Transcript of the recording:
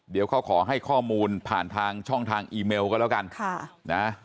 เดี๋ยวเขาขอให้ข้อมูลผ่านทางช่องทางอีเมลก็แล้วกันค่ะนะ